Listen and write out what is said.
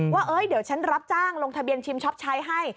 ว่าเดี๋ยวฉันรับจ้างลงทะเบียนชิมช็อปใช้ให้